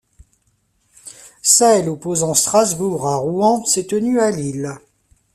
Celle opposant Strasbourg à Rouen s'est tenue à Lille.